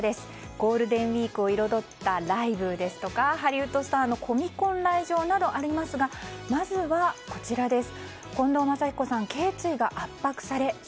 ゴールデンウィークを彩ったライブですとかハリウッドスターのコミコン来場などありますがまずはこちらです。